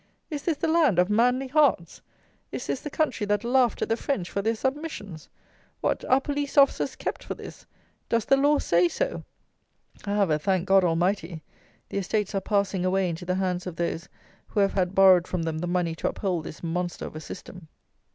Is this the land of "manly hearts?" Is this the country that laughed at the French for their submissions? What! are police officers kept for this? Does the law say so? However, thank God Almighty, the estates are passing away into the hands of those who have had borrowed from them the money to uphold this monster of a system.